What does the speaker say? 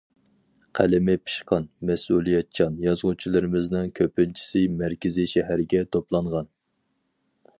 قەلىمى پىشقان، مەسئۇلىيەتچان يازغۇچىلىرىمىزنىڭ كۆپىنچىسى مەركىزىي شەھەرگە توپلانغان.